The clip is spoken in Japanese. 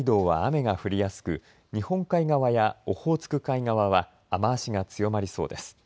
北海道は雨が降りやすく日本海側やオホーツク海側は雨足が強まりそうです。